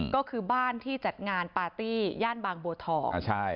ก็คือบ้านที่จัดงานปาร์ตี้ย่านบางบัวทอง